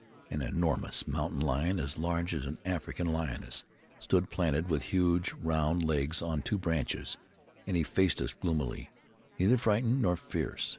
An enormous mountain lion, as large as an African lioness, stood planted with huge, round legs on two branches; and he faced us gloomily, neither frightened nor fierce.